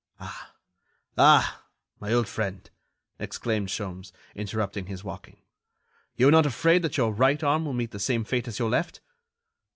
"Ah; ah! my old friend," exclaimed Sholmes, interrupting his walking, "you are not afraid that your right arm will meet the same fate as your left?"